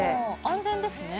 「安全ですね」